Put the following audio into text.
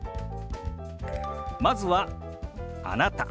まずは「あなた」。